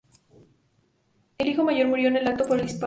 El hijo mayor murió en el acto por el disparo.